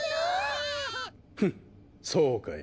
フッそうかい。